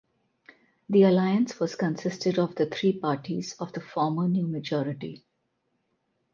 The alliance was consisted of the three parties of the former New Majority.